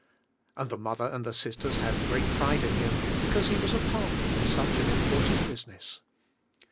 And the mother and the sisters had great pride in him, because he was a partner in such an important business.